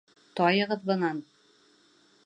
Тайығыҙ бынан!